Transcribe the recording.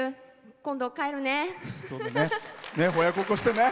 今度、帰るね！